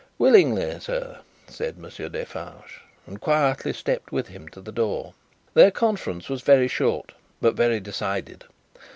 "Willingly, sir," said Monsieur Defarge, and quietly stepped with him to the door. Their conference was very short, but very decided.